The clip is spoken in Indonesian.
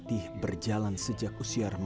kok hanap aja memakai ini ya kamu lihat